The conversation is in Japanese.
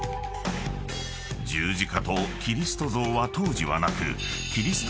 ［十字架とキリスト像は当時はなく］